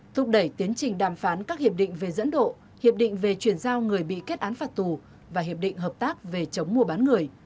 thúc đẩy tiến trình đàm phán các hiệp định về dẫn độ hiệp định về chuyển giao người bị kết án phạt tù và hiệp định hợp tác về chống mua bán người